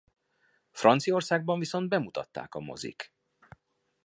Franciaországban viszont bemutatták a mozik.